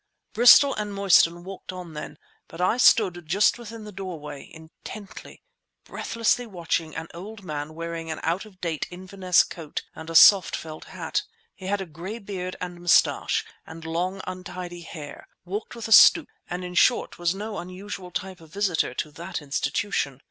Bristol and Mostyn walked on then; but I stood just within the doorway, intently, breathlessly watching an old man wearing an out of date Inverness coat and a soft felt hat. He had a gray beard and moustache, and long, untidy hair, walked with a stoop, and in short was no unusual type of Visitor to that institution.